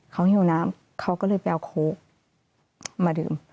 เขาหิวน้ำเขาก็เลยไปเอาโค้กมาดื่ม